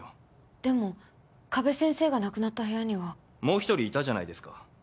でも加部先生が亡くなった部屋には。もう一人いたじゃないですか。